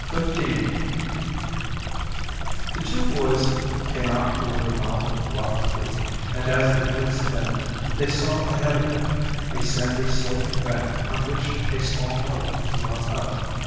CHAPTER 15 The two boys came out toward the mouth of Rock Creek and as the woods thinned, they saw ahead of them a sandy sloping bank on which a small boat was drawn up.